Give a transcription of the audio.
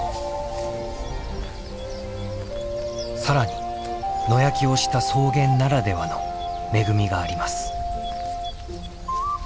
更に野焼きをした草原ならではの恵みがあります。